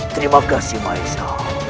terima kasih maisa